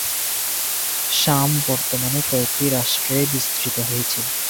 শাম বর্তমানে কয়েকটি রাষ্ট্রে বিস্তৃত রয়েছে।